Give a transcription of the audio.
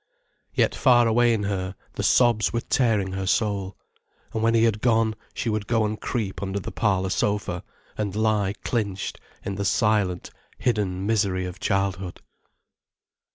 Yet far away in her, the sobs were tearing her soul. And when he had gone, she would go and creep under the parlour sofa, and lie clinched in the silent, hidden misery of childhood.